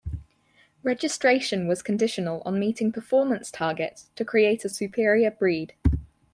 Registration was conditional on meeting performance targets to create a superior breed.